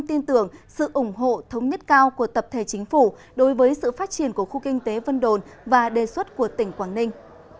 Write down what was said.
tin tưởng sự ủng hộ thống nhất cao của tập thể chính phủ đối với sự phát triển của khu kinh tế vân đồn và đề xuất của tỉnh quảng ninh